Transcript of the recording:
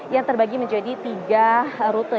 yang terbagi menjadi tiga rute